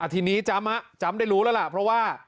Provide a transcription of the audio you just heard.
ทีนี้จำได้รู้แล้วล่ะเพราะว่า